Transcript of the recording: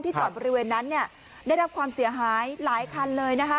จอดบริเวณนั้นเนี่ยได้รับความเสียหายหลายคันเลยนะคะ